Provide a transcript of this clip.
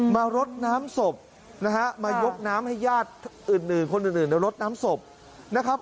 รดน้ำศพนะฮะมายกน้ำให้ญาติอื่นคนอื่นในรถน้ำศพนะครับ